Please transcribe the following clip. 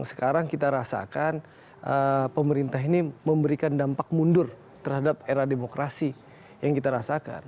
sekarang kita rasakan pemerintah ini memberikan dampak mundur terhadap era demokrasi yang kita rasakan